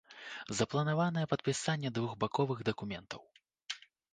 Запланаванае падпісанне двухбаковых дакументаў.